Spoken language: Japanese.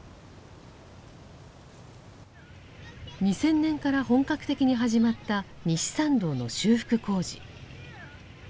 ２０００年から本格的に始まった西参道の修復工事。